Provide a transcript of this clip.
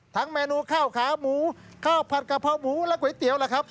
เมนูข้าวขาหมูข้าวผัดกะเพราหมูและก๋วยเตี๋ยวล่ะครับ